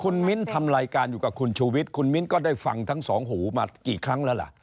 คุณมิ้นทำรายการอยู่กับคุณชูวิทย์คุณมิ้นก็ได้ฟังทั้งสองหูมากี่ครั้งแล้วล่ะ